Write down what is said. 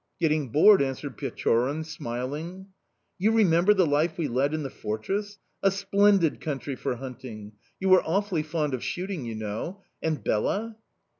"Getting bored!" answered Pechorin, smiling. "You remember the life we led in the fortress? A splendid country for hunting! You were awfully fond of shooting, you know!... And Bela?"...